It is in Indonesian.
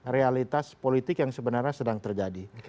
realitas politik yang sebenarnya sedang terjadi